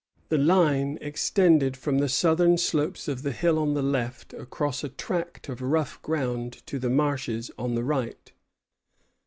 The line extended from the southern slopes of the hill on the left across a tract of rough ground to the marshes on the right.